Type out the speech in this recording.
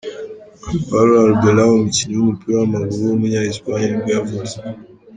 Álvaro Arbeloa, umukinnyi w’umupira w’amaguru w’umunya Espagne nibwo yavutse.